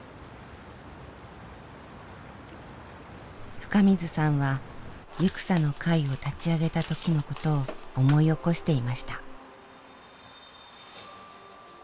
深水さんはゆくさの会を立ち上げた時のことを思い起こしていました。